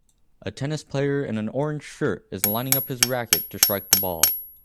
A tennis player in an orange shirt is lining up his racquet to strike the ball